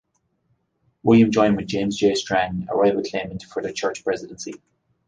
William joined with James J. Strang, a rival claimant for the church presidency.